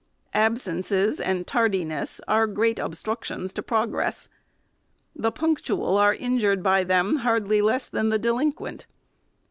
Absences and tardiness are great obstructions to progress. The punctual are injured by them hardly less than the delin quent.